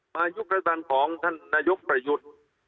อายุกระทันของท่านนายกประยุทธ์